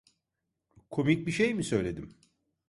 Komik bir şey mi söyledim?